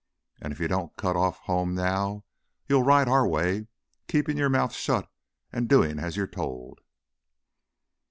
And if you don't cut off home now, you'll ride our way, keepin' your mouth shut and doin' as you're told!"